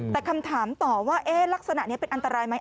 แต่คำถามต่อว่าลักษณะนี้เป็นอันตรายไหม